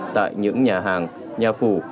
tại những nhà hàng nhà phủ